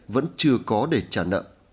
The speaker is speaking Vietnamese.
vẫn chưa có để trả nợ